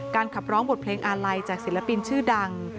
ขับร้องบทเพลงอาลัยจากศิลปินชื่อดัง